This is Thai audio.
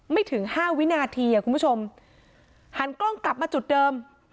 ถึงห้าวินาทีอ่ะคุณผู้ชมหันกล้องกลับมาจุดเดิม